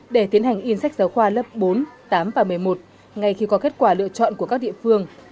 để tiến hành in sách giáo khoa lớp bốn tám và một mươi một ngay khi có kết quả lựa chọn của các địa phương